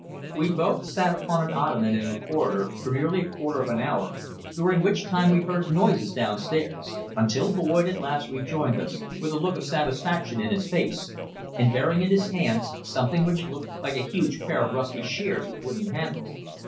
We both sat upon an ottoman in the corridor for nearly a quarter of an hour, during which time we heard noises downstairs; until Boyd at last rejoined us with a look of satisfaction in his face, and bearing in his hands something which looked like a huge pair of rusty shears with wooden handles.